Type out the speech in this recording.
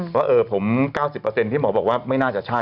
ว่าผม๙๐ที่หมอบอกว่าไม่น่าจะใช่